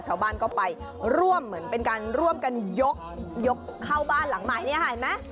ชาวบ้านก็ไปร่วมเหมือนเป็นการร่วมกันยกยกเข้าบ้านหลังใหม่เนี่ยเห็นไหม